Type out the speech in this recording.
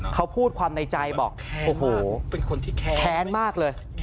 เขาพูดความในใจบอกโอ้โหแคนมากเลย